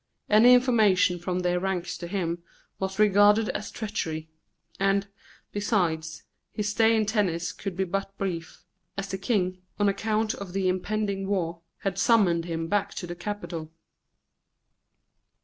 Any information from their ranks to him was regarded as treachery; and, besides, his stay in Tennis could be but brief, as the King, on account of the impending war, had summoned him back to the capital.